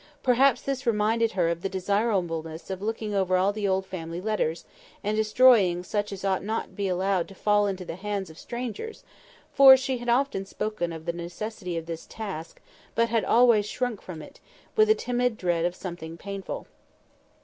Perhaps this reminded her of the desirableness of looking over all the old family letters, and destroying such as ought not to be allowed to fall into the hands of strangers; for she had often spoken of the necessity of this task, but had always shrunk from it, with a timid dread of something painful.